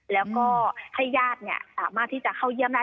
แล้วก็ให้ญาติสามารถที่จะเข้าเยี่ยมได้